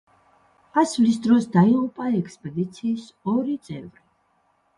ასვლის დროს დაიღუპა ექსპედიციის ორი წევრი.